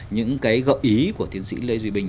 những cái gợi ý của tiến sĩ lê duy bình